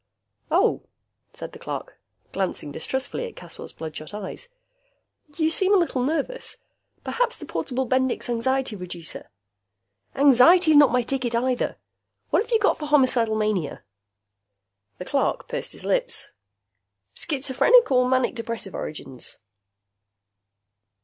"Oh," said the clerk, glancing distrustfully at Caswell's bloodshot eyes. "You seem a little nervous. Perhaps the portable Bendix Anxiety Reducer " "Anxiety's not my ticket, either. What have you got for homicidal mania?" The clerk pursed his lips. "Schizophrenic or manic depressive origins?"